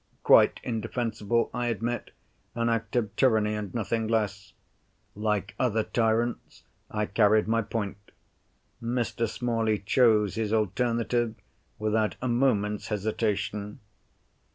Quite indefensible, I admit—an act of tyranny, and nothing less. Like other tyrants, I carried my point. Mr. Smalley chose his alternative, without a moment's hesitation.